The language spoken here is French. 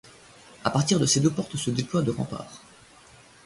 À partir de ces deux portes se déploient de remparts.